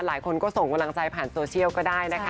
หลายคนก็ส่งกำลังใจผ่านโซเชียลก็ได้นะคะ